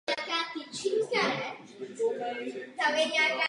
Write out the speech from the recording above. Autorem písně je John Cale.